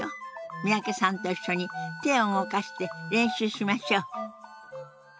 三宅さんと一緒に手を動かして練習しましょう。